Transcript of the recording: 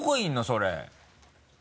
それ。